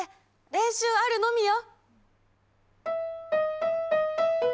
練習あるのみよ！